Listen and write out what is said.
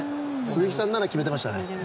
鈴木さんなら決めてましたね。